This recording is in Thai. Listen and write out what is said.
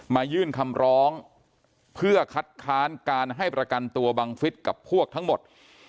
ยื่นคำร้องเพื่อคัดค้านการให้ประกันตัวบังฟิศกับพวกทั้งหมด